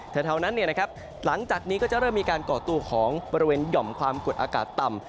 แต่เท่านั้นเนี่ยนะครับหลังจากนี้ก็จะเริ่มมีการก่อตัวของบริเวณหย่อมความกดอากาศต่ำ